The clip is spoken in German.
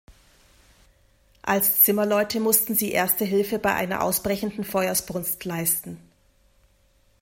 Als Zimmerleute mussten sie Erste Hilfe bei einer ausbrechenden Feuersbrunst leisten.